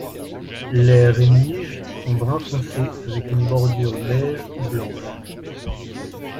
Les rémiges sont brun foncé avec une bordure beige ou blanche.